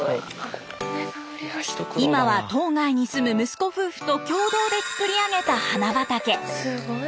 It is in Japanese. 今は島外に住む息子夫婦と共同でつくり上げた花畑。